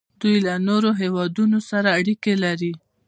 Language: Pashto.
دوی له نورو هیوادونو سره اړیکې لري.